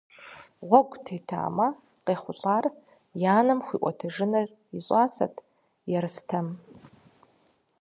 Гъуэгу тетамэ, къехъулӏар и анэм хуиӏуэтэжыныр и щӏасэт Ерстэм.